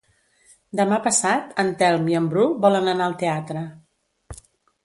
Demà passat en Telm i en Bru volen anar al teatre.